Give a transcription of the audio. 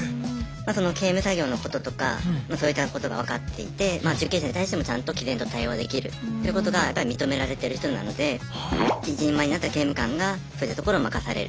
その刑務作業のこととかそういったことが分かっていて受刑者に対してもちゃんときぜんと対応できるということがやっぱ認められてる人なので一人前になった刑務官がそういったところを任される。